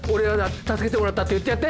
助けてもらったって言ってやって。